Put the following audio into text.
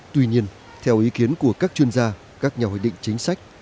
tuy nhiên theo ý kiến của các chuyên gia các nhà hoạch định chính sách